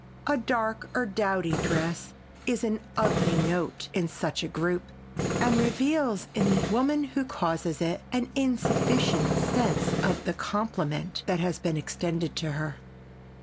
A dark or dowdy dress is an ugly note in such a group and reveals in the woman who causes it an insufficient sense of the compliment that has been extended to her.